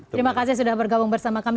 terima kasih sudah bergabung bersama kami